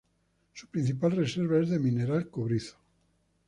Su principal reserva es de mineral cobrizo.